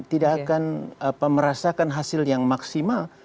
tidak akan merasakan hasil yang maksimal